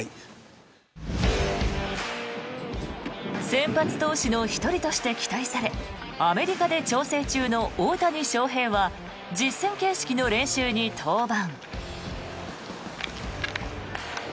先発投手の１人として期待されアメリカで調整中の大谷翔平は実戦形式の練習に登板。